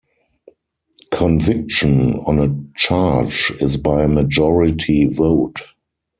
Conviction on a charge is by majority vote.